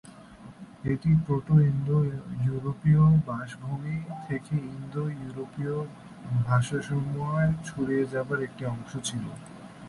এটি প্রোটো-ইন্দো-ইউরোপীয় বাসভূমি থেকে ইন্দো-ইউরোপীয় ভাষাসমূহের ছড়িয়ে যাবার একটি অংশ ছিল।